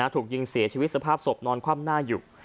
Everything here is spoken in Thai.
ถูกยิงเสียชีวิตสภาพศพนอนคว่ำหน้าอยู่